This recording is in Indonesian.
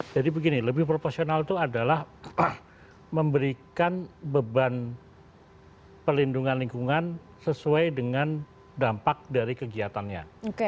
jadi begini lebih proporsional itu adalah memberikan beban perlindungan lingkungan sesuai dengan dampak dari kegiatannya